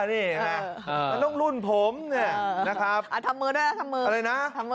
เนี่ยนี่นะน้องลุ่นผมเนี่ยนะครับ